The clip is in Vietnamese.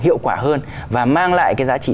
hiệu quả hơn và mang lại cái giá trị